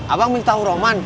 abang minta tahu rahman